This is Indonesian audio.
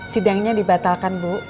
sidangnya dibatalkan bu